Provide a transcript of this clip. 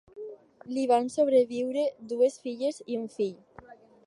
Li van sobreviure dues filles i un fill.